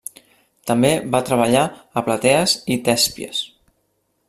També va treballar a Platees i Tèspies.